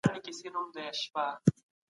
د تاریخ او ادب اړیکې د لمر په څېر روښانه دي.